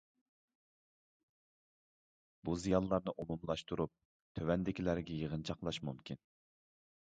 بۇ زىيانلارنى ئومۇملاشتۇرۇپ تۆۋەندىكىلەرگە يىغىنچاقلاش مۇمكىن.